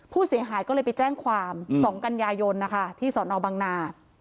ผู้เสียหายก็เลยไปแจ้งความ๒กัญญายนนะคะที่สอนอบังนา